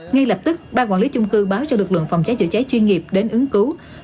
ngay lập tức ban quản lý chung cư báo cho lực lượng phòng cháy chữa cháy chuyên nghiệp đến ứng cứu